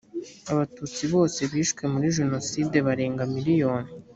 abatutsi bose binshwe muri jenoside barenga miliyoni